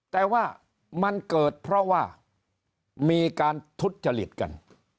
แต่ว่ามันเกิดเพราะว่ามีการทุจจริตกัน